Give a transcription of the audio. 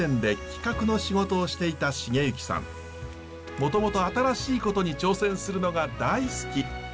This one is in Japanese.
もともと新しいことに挑戦するのが大好き。